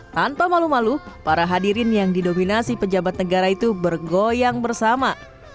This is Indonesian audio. tanpa malu malu para hadirin yang didominasi pejabat negara itu bergoyang bersama